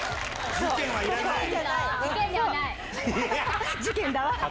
事件だわ。